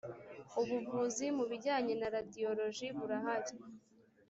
ubuvuzi mu bijyanye na radiyoloji burahari